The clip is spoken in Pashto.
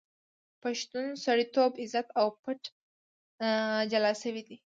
پښتون سړیتوب، عزت او پت جلا شوی دی.